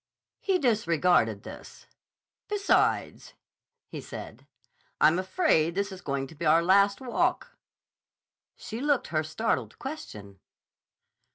He disregarded this. "Besides," he said, "I'm afraid this is going to be our last walk." She looked her startled question.